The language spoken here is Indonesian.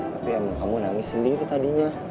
tapi emang kamu nangis sendiri tadinya